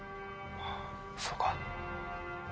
そうか。